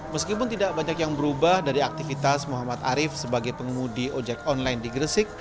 meskipun tidak banyak yang berubah dari aktivitas muhammad arief sebagai pengemudi ojek online di gresik